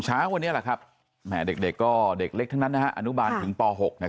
เช้าวันนี้แห่เด็กเด็กเล็กทั้งนั้นโควิดอนุบาลถึงปฏิบาล๖